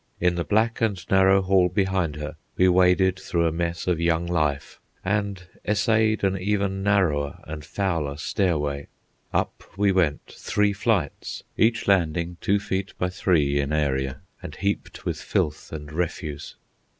In the black and narrow hall behind her we waded through a mess of young life, and essayed an even narrower and fouler stairway. Up we went, three flights, each landing two feet by three in area, and heaped with filth and refuse.